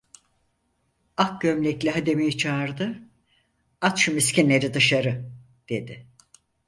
Ak gömlekli hademeyi çağırdı: "At şu miskinleri dışarı!" dedi.